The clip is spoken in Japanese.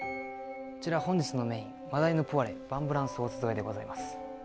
こちら本日のメイン真鯛のポワレヴァンブランソース添えでございます